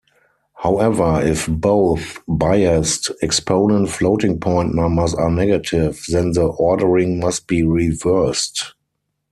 However, if both biased-exponent floating-point numbers are negative, then the ordering must be reversed.